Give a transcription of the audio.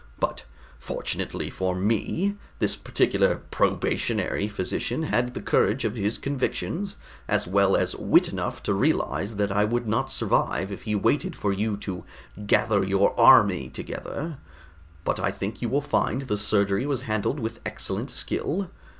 But fortunately for me, this particular probationary physician had the courage of his convictions, as well as wit enough to realize that I would not survive if he waited for you to gather your army together. But I think you will find the surgery was handled with excellent skill.